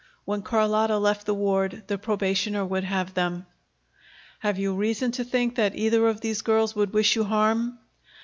When Carlotta left the ward, the probationer would have them." "Have you reason to think that either one of these girls would wish you harm?"